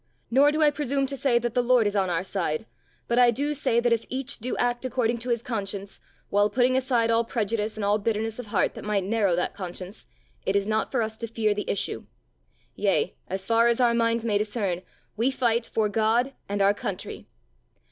Nor do I presume to say that the Lord is on our side, but I do say that if each do act according to his conscience, while putting aside all prejudice and all bitterness of heart that might narrow that conscience, it is not for us to fear the issue. Yea, as far as our minds may discern, we fight for God and our country."